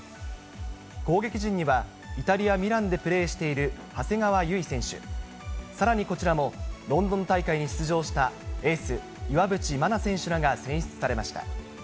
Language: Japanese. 攻撃陣には、イタリア・ミランでプレーしている長谷川唯選手、さらにこちらもロンドン大会に出場したエース、岩渕真奈選手らが選出されました。